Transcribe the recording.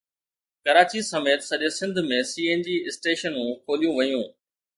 ڪراچي سميت سڄي Sindh ۾ C N G اسٽيشنون کوليون ويون